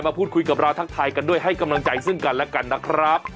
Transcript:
พูดคุยกับเราทักทายกันด้วยให้กำลังใจซึ่งกันและกันนะครับ